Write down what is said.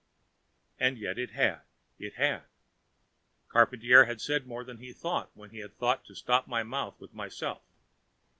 And yet it had it had; Charpantier had said more than he thought, when he thought to stop up my mouth with myself.